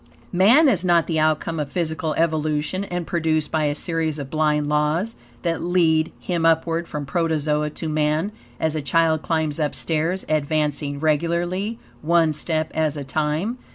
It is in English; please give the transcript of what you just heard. MAN IS NOT THE OUTCOME OF PHYSICAL EVOLUTION, and produced by a series of blind laws, that lead him upward from protozoa to man, as a child climbs up stairs, advancing regularly, ONE STEP AS A TIME.